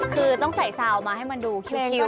คือต้องใส่ซาวมาให้มันดูคิว